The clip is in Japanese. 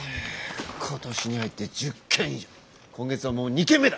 今年に入って１０件以上今月はもう２件目だ！